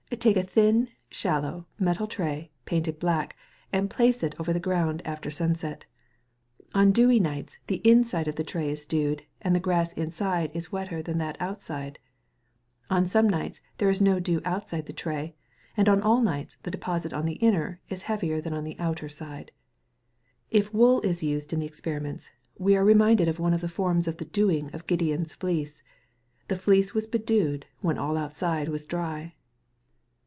Take a thin, shallow, metal tray, painted black, and place it over the ground after sunset. On dewy nights the inside of the tray is dewed, and the grass inside is wetter than that outside. On some nights there is no dew outside the tray, and on all nights the deposit on the inner is heavier than that on the outside. If wool is used in the experiments, we are reminded of one of the forms of the dewing of Gideon's fleece the fleece was bedewed when all outside was dry.